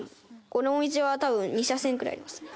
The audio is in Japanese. この道は多分２車線ぐらいありますね。